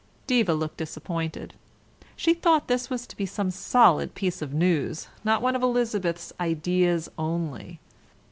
Diva looked disappointed. She thought this was to be some solid piece of news, not one of Elizabeth's ideas only.